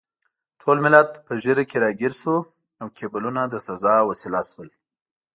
ټول ملت په ږیره کې راګیر شو او کیبلونه د سزا وسیله شول.